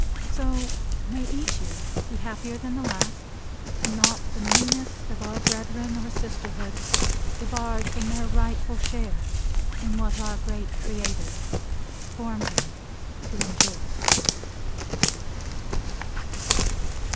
So may each year be happier than the last, and not the meanest of our brethren or sisterhood debarred their rightful share in what our great Creator formed them to enjoy.